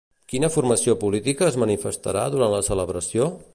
Quina formació política es manifestarà durant la celebració?